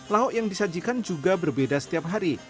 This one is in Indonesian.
lauk yang disajikan juga berbeda setiap hari